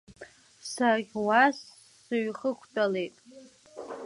Саӷьуа сыҩхықәтәалеит.